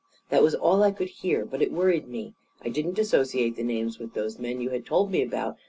That was all I could hear. But it worried me. I didn't associate the names with those men you had told me about.